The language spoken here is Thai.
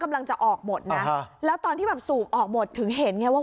กำลังจะออกหมดนะแล้วตอนที่แบบสูบออกหมดถึงเห็นไงว่า